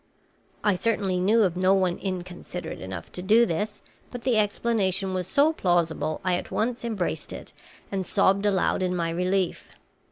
"I certainly knew of no one inconsiderate enough to do this, but the explanation was so plausible, I at once embraced it and sobbed aloud in my relief.